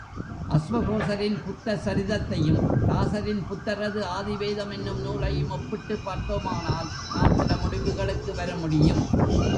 அஸ்வகோசரின் புத்தசரிதத்தையும், தாசரின் புத்தரது ஆதிவேதம் எனும் நூலையும் ஒப்பிட்டுப் பார்த்தோமானால் நாம் சில முடிவுகளுக்கு வர முடியும்.